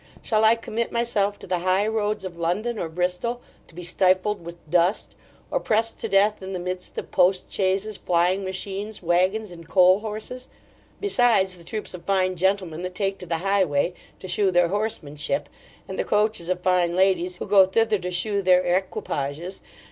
Shall I commit myself to the high roads of London or Bristol, to be stifled with dust, or pressed to death in the midst of post chaises, flying machines, waggons, and coal horses; besides the troops of fine gentlemen that take to the highway, to shew their horsemanship; and the coaches of fine ladies, who go thither to shew their equipages?